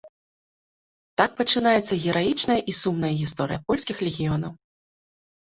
Так пачынаецца гераічная і сумная гісторыя польскіх легіёнаў.